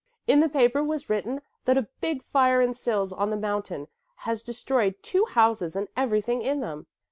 "In the paper was written that a big fire in Sils on the mountain has destroyed two houses and everything in them.